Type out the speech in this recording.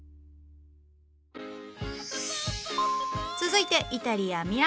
続いてイタリアミラノ。